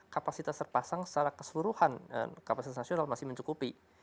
kapasitas terpasang secara keseluruhan dan kapasitas nasional masih mencukupi